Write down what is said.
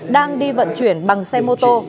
đang đi vận chuyển bằng xe mô tô